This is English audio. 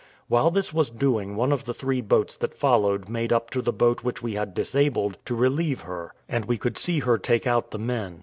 While this was doing one of the three boats that followed made up to the boat which we had disabled, to relieve her, and we could see her take out the men.